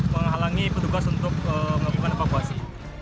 menghalangi petugas untuk melakukan evakuasi